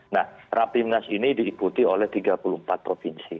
nah rapimnas ini diikuti oleh tiga puluh empat provinsi